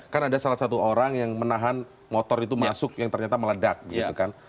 kan ada salah satu orang yang menahan motor itu masuk yang ternyata meledak gitu kan